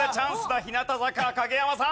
日向坂影山さん。